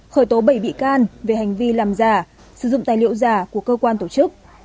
khởi tố bảy bị can về hành vi làm giả sử dụng tài liệu giả của cơ quan tổ chức